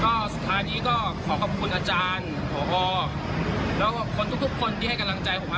ก็สุดท้ายนี้ก็ขอขอบคุณอาจารย์ผอแล้วก็คนทุกทุกคนที่ให้กำลังใจผมมา